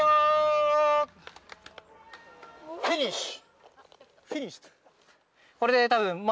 フィニッシュ！